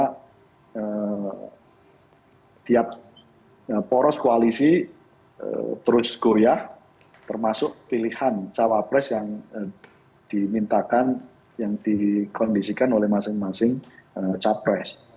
karena setiap poros koalisi terus goyah termasuk pilihan cawa pres yang dimintakan yang dikondisikan oleh masing masing capres